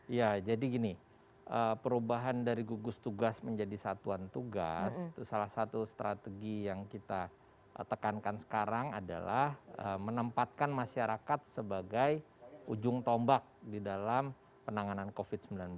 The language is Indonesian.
ya jadi gini perubahan dari gugus tugas menjadi satuan tugas itu salah satu strategi yang kita tekankan sekarang adalah menempatkan masyarakat sebagai ujung tombak di dalam penanganan covid sembilan belas